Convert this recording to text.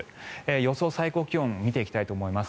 予想最高気温見ていきたいと思います。